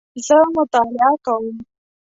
زه مطالعه کوم